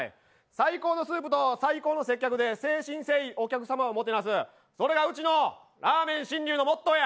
最高のスープと最高の接客で誠心誠意、お客様をもてなす、それがうちのラーメンしんりゅうのモットーだ。